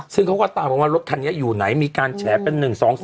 ซึ่งเขาก็ตามมาว่ารถคันนี้อยู่ไหนมีการแฉเป็น๑๒๒